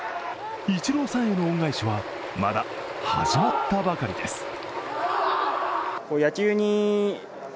イチローさんへの恩返しはまだ始まったばかりです。